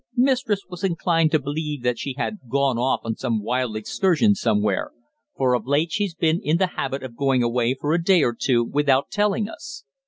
Mistress was inclined to believe that she had gone off on some wild excursion somewhere, for of late she's been in the habit of going away for a day or two without telling us.